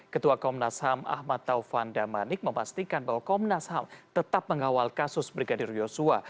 ketua komnas ham ahmad taufan damanik memastikan bahwa komnas ham tetap mengawal kasus brigadir yosua